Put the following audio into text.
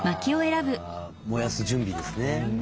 あ燃やす準備ですね。